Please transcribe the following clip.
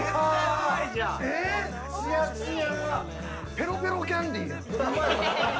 ペロペロキャンディーやん。